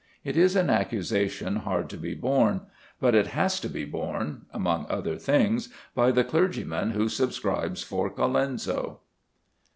It is an accusation hard to be borne; but it has to be borne, among other things, by the clergyman who subscribes for Colenso.